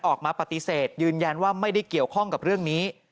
ออกมาปฏิเสธยืนยันว่าไม่ได้เกี่ยวข้องกับเรื่องนี้